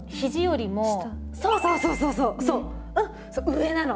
上なの。